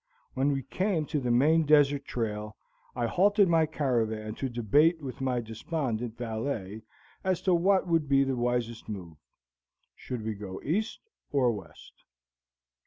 When we came to the main desert trail, I halted my caravan to debate with my despondent valet as to what would be the wisest move. Should we go east or west?